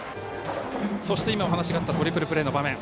そして、今お話があったトリプルプレーの場面。